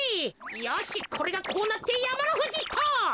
よしこれがこうなってやまのふじっと！